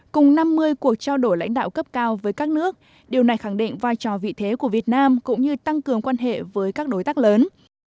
cùng năm mươi cuộc trao đổi lãnh đạo cấp cao với các nước điều này khẳng định vai trò vị thế của việt nam cũng như tăng cường quan hệ với các đối tác lớn